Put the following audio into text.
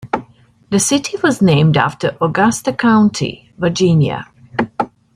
The city was named after Augusta County, Virginia.